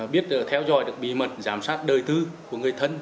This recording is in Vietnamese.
biết theo dõi được bí mật giám sát đời tư của người thân